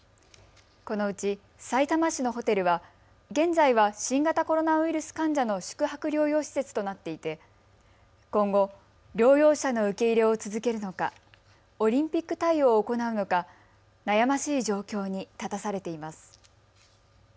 このうち、さいたま市のホテルは現在は新型コロナウイルス患者の宿泊療養施設となっていて今後、療養者の受け入れを続けるのかオリンピック対応を行うのか悩ましい状況に立たされています。